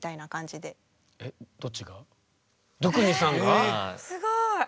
すごい。